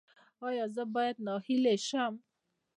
ایا زه باید ناهیلي شم؟